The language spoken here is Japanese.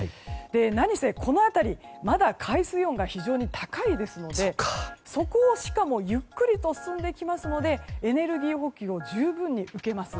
何せ、この辺りまだ海水温が非常に高いですのでそこをしかもゆっくりと進んできますのでエネルギー補給を十分に受けます。